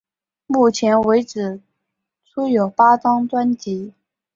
目前为止出有八张专辑。